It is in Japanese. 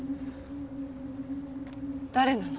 誰なの？